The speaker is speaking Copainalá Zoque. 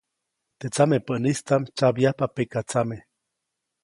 Teʼ tsamepäʼnistaʼm tsyabyajpa pekatsame.